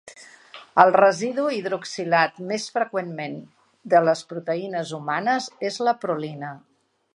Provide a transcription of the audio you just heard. El residu hidroxilat més freqüentment de les proteïnes humanes és la prolina.